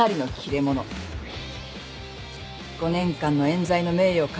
５年間の冤罪の名誉を回復。